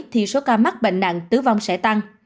thì số ca mắc bệnh nạn tứ vong sẽ tăng